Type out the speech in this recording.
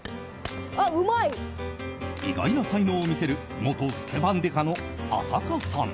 意外な才能を見せる元スケバン刑事の浅香さん。